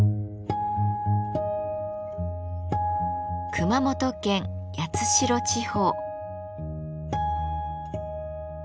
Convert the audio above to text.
熊本県八代地方。